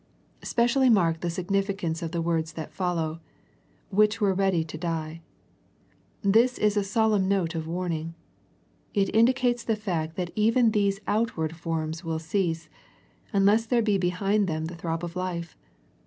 Specially mark the significance of the words that follow, " which were ready to die." This is a solemn note of warning. It indicates the fact that even these outward forms will cease, unless there be behind them the throb of life.